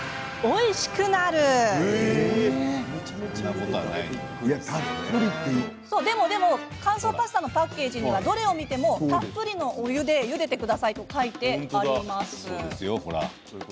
お湯はでも、乾燥パスタのパッケージは、どれを見てもたっぷりのお湯でゆでてくださいと書いてあります。